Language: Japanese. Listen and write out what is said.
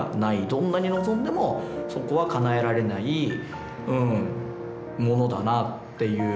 どんなに望んでもそこはかなえられないものだなっていう。